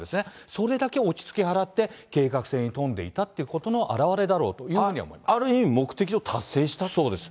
それだけ落ち着き払って計画性に富んでいたっていうことの表れだある意味目的を達成したってそうです。